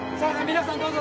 皆さんどうぞ。